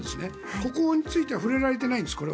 ここについては触れられていないんです。